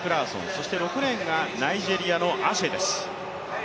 そして６レーンがナイジェリアのアシェです。